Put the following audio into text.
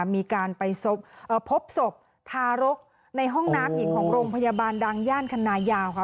มีการไปพบศพทารกในห้องน้ำอีกของโรงพยาบาลดังย่านคันนายาวค่ะ